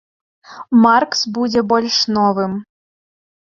Маркс будзе больш новым.